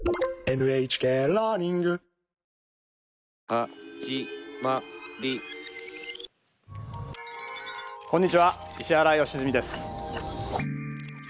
はじまりこんにちは石原良純です。